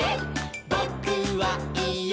「ぼ・く・は・い・え！